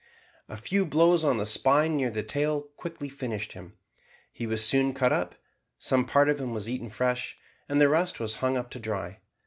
A few blows on the spine near the tail quickly finished him. He was soon cut up, some part of him was eaten fresh, and the rest was hung up to dry.